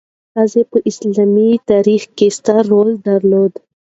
ښځې په اسلامي تاریخ کې ستر رول درلود.